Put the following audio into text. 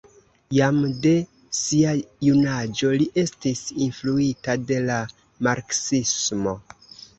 Jam de sia junaĝo li estis influita de la marksismo.